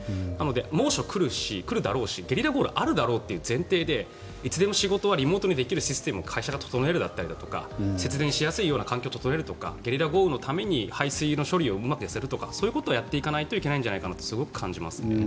猛暑、来るだろうしゲリラ豪雨があるだろうという前提でいつでも仕事はリモートにできるシステムを会社が整えるだとか節電しやすいような環境を整えるとか、ゲリラ豪雨のために排水の処理をうまくさせるとかそういうことをやっていかないといけないと感じますね。